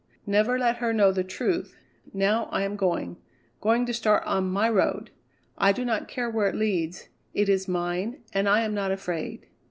Never let her know the truth, now I am going going to start on My Road! I do not care where it leads, it is mine, and I am not afraid."